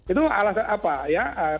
itu alasan apa ya